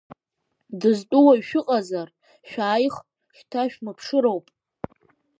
Дызтәу уаҩ шәыҟазар, шәааих, шьҭа шәмыԥшыроуп.